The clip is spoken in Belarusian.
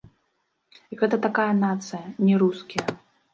Гэта такая нацыя, не рускія.